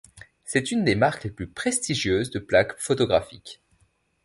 C'est une des marques les plus prestigieuses de plaques photographiques.